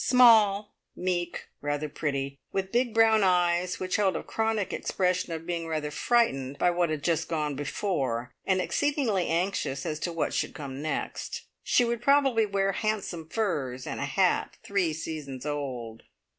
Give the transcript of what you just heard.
Small, meek, rather pretty, with big brown eyes which held a chronic expression of being rather frightened by what had just gone before, and exceedingly anxious as to what should come next. She would probably wear handsome furs, and a hat three seasons old.